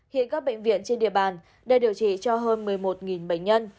hiện các bệnh viện trên địa bàn đang điều trị cho hơn một mươi một bệnh nhân